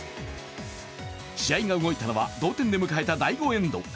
試合が動いたのは同点で迎えた第５エンド。